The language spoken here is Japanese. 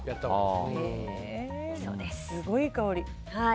すごいいい香り！